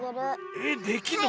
えっできるの？